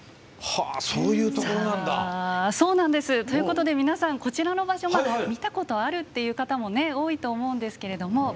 ということで、皆さんこちらの場所見たことあるっていう方も多いと思うんですけれども。